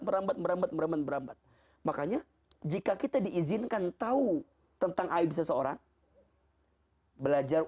merambat merambat merambat merambat makanya jika kita diizinkan tahu tentang aib seseorang belajar